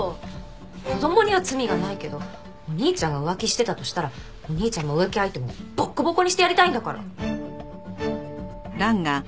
子供には罪がないけどお兄ちゃんが浮気してたとしたらお兄ちゃんも浮気相手もボッコボコにしてやりたいんだから。